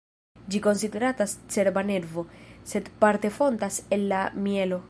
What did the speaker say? Ĝi konsideratas cerba nervo, sed parte fontas el la mjelo.